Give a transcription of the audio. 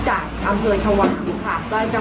ก็จังหวัดละครศรีชะวันราชเหมือนกัน